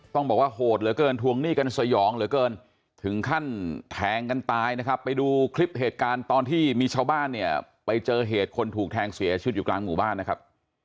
ต้องบอกว่าโหดเหลือเกินทวงหนี้กันสยองเหลือเกินถึงขั้นแทงกันตายนะครับไปดูคลิปเหตุการณ์ตอนที่มีชาวบ้านเนี่ยไปเจอเหตุคนถูกแทงเสียชีวิตอยู่กลางหมู่บ้านนะครับ